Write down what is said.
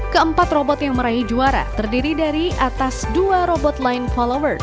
keempat robot yang meraih juara terdiri dari atas dua robot line follower